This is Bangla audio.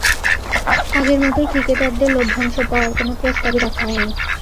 আগের মতোই ক্রিকেটারদের লভ্যাংশ পাওয়ার কোনো প্রস্তাবই রাখা হয়নি।